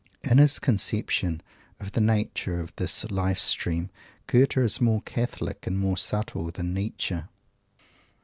In his conception of the nature of this Life stream Goethe is more Catholic and more subtle than Nietzsche.